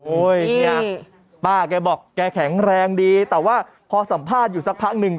เนี่ยป้าแกบอกแกแข็งแรงดีแต่ว่าพอสัมภาษณ์อยู่สักพักหนึ่ง